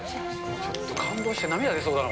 ちょっと感動して涙出そうだな。